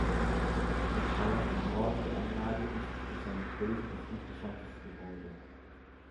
Der Palas im Norden der Anlage ist durch seine Größe das imposanteste Gebäude.